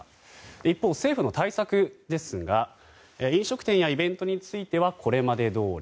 一方、政府の対策ですが飲食店やイベントについてはこれまでどおり。